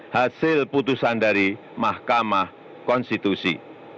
hasil putusan dari mahkamah konstitusi